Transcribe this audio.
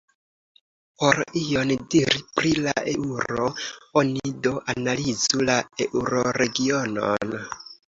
Por ion diri pri la eŭro, oni do analizu la eŭroregionon.